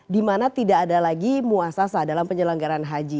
dimana tidak ada lagi muasasa dalam penyelenggaraan haji